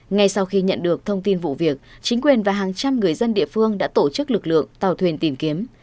ngay sau khi nhận được thông tin vụ việc chính quyền và hàng trăm người dân địa phương đã tổ chức lực lượng tàu thuyền tìm kiếm